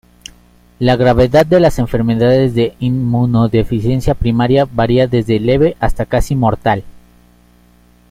La gravedad de las enfermedades de inmunodeficiencia primaria varía desde leve hasta casi mortal.